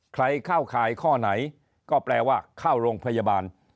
เข้าข่ายข้อไหนก็แปลว่าเข้าโรงพยาบาล